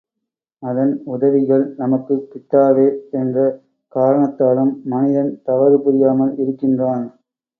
அதன் உதவிகள் நமக்குக் கிட்டாவே என்ற காரணத்தாலும் மனிதன் தவறு புரியாமல் இருக்கின்றான்.